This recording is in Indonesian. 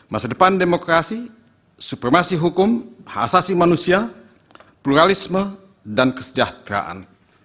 masa depan demokrasi supremasi hukum hak asasi manusia pluralisme dan kesejahteraan